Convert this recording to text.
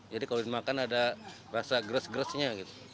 jadi kalau dimakan ada rasa gerus gerusnya